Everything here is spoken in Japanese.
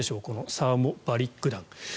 このサーモバリック弾。